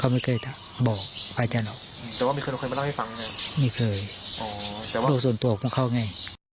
ไม่เคยตัวส่วนตัวกับเขาใช่